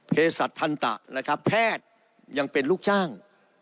เพศัตว์ทันตะนะครับแพทย์ยังเป็นลูกจ้าง